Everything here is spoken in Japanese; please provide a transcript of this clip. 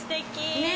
ねえ。